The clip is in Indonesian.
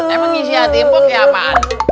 emang isi hati empok ya apaan